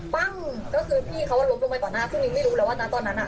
ปั้งก็คือพี่เขาล้มลงไปต่อหน้าพรุ่งนี้ไม่รู้แล้วว่านะตอนนั้นอ่ะ